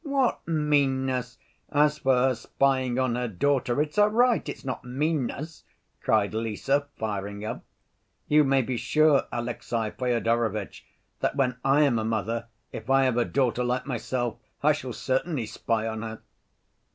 "What meanness? As for her spying on her daughter, it's her right, it's not meanness!" cried Lise, firing up. "You may be sure, Alexey Fyodorovitch, that when I am a mother, if I have a daughter like myself I shall certainly spy on her!"